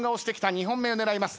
２本目を狙います。